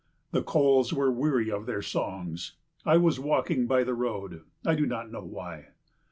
The koels were weary of their songs. I was walking by the road, I do not know why.